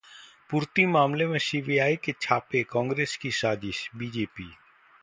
पूर्ती मामले में सीबीआई के छापे कांग्रेस की साजिश: बीजेपी